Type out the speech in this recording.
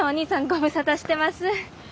ご無沙汰してます。